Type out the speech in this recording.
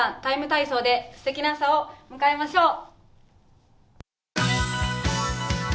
ＴＩＭＥ，体操」ですてきな朝を迎えましょう。